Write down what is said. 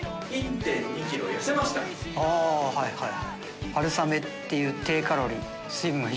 あぁはいはい。